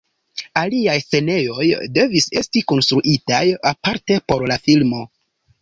Aliaj scenejoj devis esti konstruitaj aparte por la filmo.